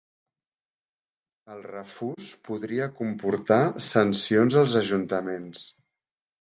El refús podria comportar sancions als ajuntaments